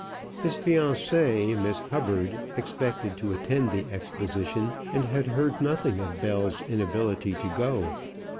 His fiancée, Miss Hubbard, expected to attend the exposition, and had heard nothing of Bell's inability to go.